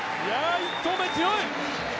１投目強い！